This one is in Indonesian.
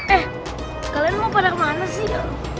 eh kalian mau pada kemana sih